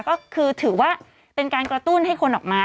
ก็คือถือว่าเป็นการกระตุ้นให้คนออกมา